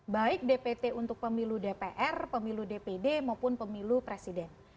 baik dpt untuk pemilu dpr pemilu dpd maupun pemilu presiden